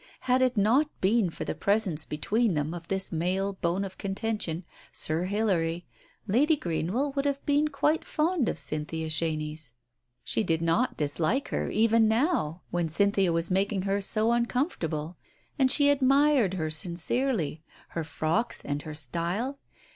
Had it not been for the presence between them of this male bone of conten tion, Sir Hilary, Lady Greenwell would have been quite fond of Cynthia Chenies. She did not dislike her even Digitized by Google THE MEMOIR 75 now, when Cynthia was making her so uncomfortable, and she admired her sincerely, her frocks and her style.